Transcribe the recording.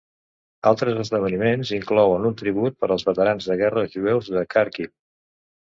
Altres esdeveniments inclouen un tribut per als veterans de guerra jueus de Khàrkiv.